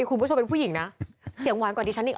คุณผู้ชมเป็นผู้หญิงนะเสียงหวานกว่าดิฉันอีก